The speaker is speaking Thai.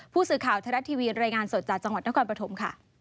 ผู้สื่อข่าวไทยรัฐทีวีรายงานสดจากจังหวัดนครปฐมค่ะ